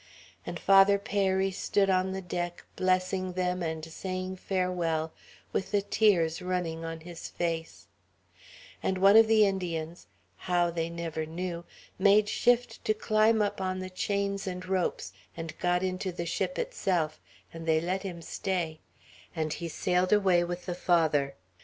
And Father Peyri stood on the deck, blessing them, and saying farewell, with the tears running on his face; and one of the Indians how they never knew made shift to climb up on the chains and ropes, and got into the ship itself; and they let him stay, and he sailed away with the Father.